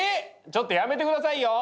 ちょっとやめて下さい！